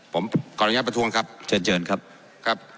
ผมขออนุญาตประท้วงครับเชิญเชิญครับครับ